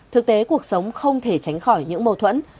thực tế cuộc sống không thể tránh khỏi những mâu thuẫn